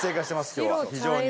今日は非常に。